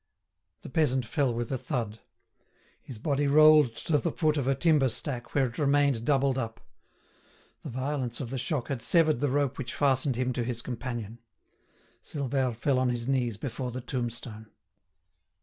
The peasant fell with a thud. His body rolled to the foot of a timber stack, where it remained doubled up. The violence of the shock had severed the rope which fastened him to his companion. Silvère fell on his knees before the tombstone.